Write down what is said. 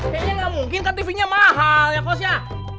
kayaknya nggak mungkin kan tv nya mahal ya bosnya